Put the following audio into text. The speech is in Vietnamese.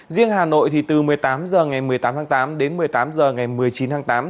riêng hà nội thì từ một mươi tám h ngày một mươi tám tháng tám đến một mươi tám h ngày một mươi chín tháng tám